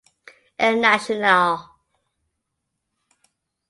El Nacional.